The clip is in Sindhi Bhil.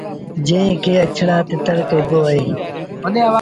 جݩهݩ کي اَڇڙآ تتر ڪهيبو اهي۔